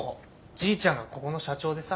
じいちゃんがここの社長でさ。